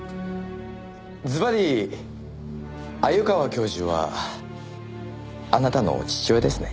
ずばり鮎川教授はあなたの父親ですね？